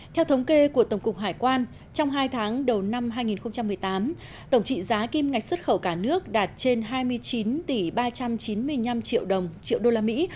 theo thống kê của tổng cục hải quan trong hai tháng đầu năm hai nghìn một mươi tám tổng trị giá kim ngạch xuất khẩu cả nước đạt trên hai mươi chín tỷ ba trăm chín mươi năm triệu đồng triệu đô la mỹ